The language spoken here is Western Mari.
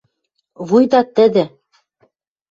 Вуйта тӹдӹ